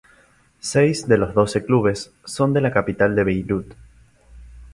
Seis de los doce clubes son de la capital Beirut.